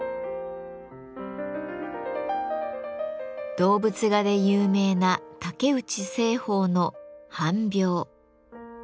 動物画で有名な竹内栖鳳の「班猫」。